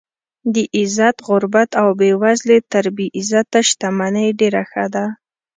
د عزت غربت او بې وزلي تر بې عزته شتمنۍ ډېره ښه ده.